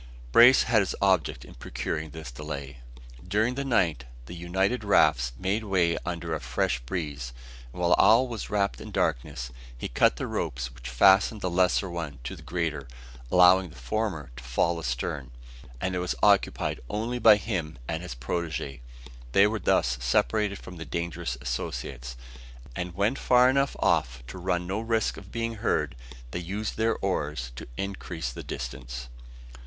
Brace had his object in procuring this delay. During the night, the united rafts made way under a fresh breeze; and while all was wrapped in darkness, he cut the ropes which fastened the lesser one to the greater, allowing the former to fall astern. As it was occupied only by him and his protege, they were thus separated from their dangerous associates; and when far enough off to run no risk of being heard, they used their oars to increase the distance.